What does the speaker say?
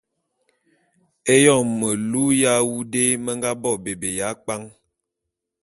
Éyon melu ya awu dé me nga bo bébé ya kpwan.